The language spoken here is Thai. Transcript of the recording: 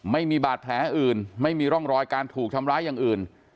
ไม่มีบาดแผลอื่นไม่มีร่องรอยการถูกทำร้ายอย่างอื่น